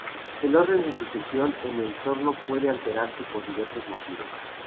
El orden de sucesión en el Trono puede alterarse por diversos motivos.